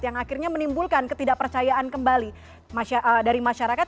yang akhirnya menimbulkan ketidakpercayaan kembali dari masyarakat